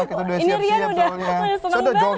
ini rian udah senang banget